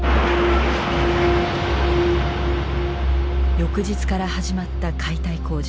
翌日から始まった解体工事。